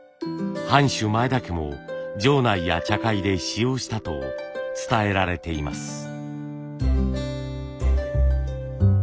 藩主前田家も城内や茶会で使用したと伝えられています。